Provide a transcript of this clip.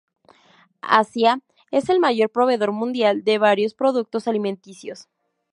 Asia es el mayor proveedor mundial de varios productos alimenticios.